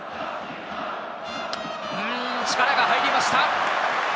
力が入りました。